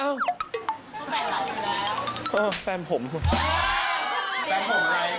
เอ้าแฟนผมอะไร